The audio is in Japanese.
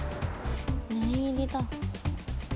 念入りだ。